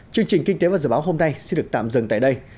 chương trình kinh tế và dự báo hôm nay xin được tạm dừng tại đây